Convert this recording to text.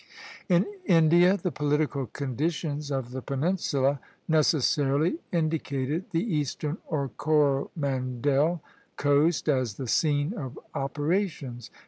In India the political conditions of the peninsula necessarily indicated the eastern, or Coromandel, coast as the scene of operations.